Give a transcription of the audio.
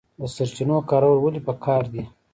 د سرچینو کارول ولې پکار دي؟